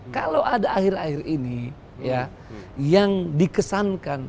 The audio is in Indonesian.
kalau ada akhir akhir ini ya yang dikesankan